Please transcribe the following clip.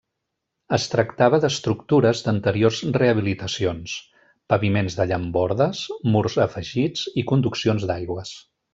Es tractava d’estructures d'anteriors rehabilitacions: paviments de llambordes, murs afegits i conduccions d'aigües.